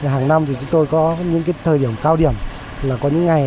hàng năm thì chúng tôi có những thời điểm cao điểm là có những ngày